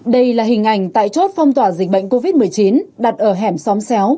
đây là hình ảnh tại chốt phong tỏa dịch bệnh covid một mươi chín đặt ở hẻm xóm xéo